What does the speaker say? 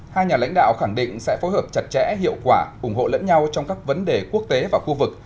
hai nhà lãnh đạo khẳng định sẽ phối hợp chặt chẽ hiệu quả ủng hộ lẫn nhau trong các vấn đề quốc tế và khu vực